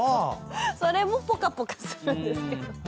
それもぽかぽかするんですけど。